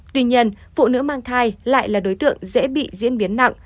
tuy nhiên phụ nữ mang thai lại là đối tượng dễ bị diễn biến nặng